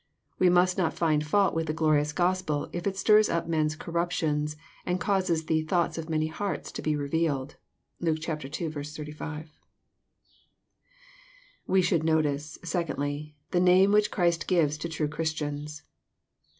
We must not find fault with the glorious Gospel, if it stirs up men's corruptions, and causes the ^' thoughts of many hearts to be revealed.'* (Luke ii. 35.) We should notice, secondly, the name which Christ gives to true Christians.